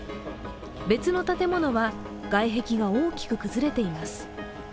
別の建物は外壁が大きく崩れています。